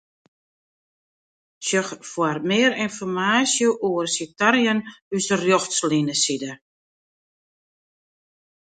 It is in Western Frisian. Sjoch foar mear ynformaasje oer sitearjen ús Rjochtlineside.